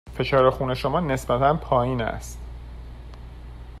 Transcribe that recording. فشار خون شما نسبتاً پایین است.